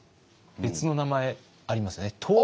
別の名前ありますよね。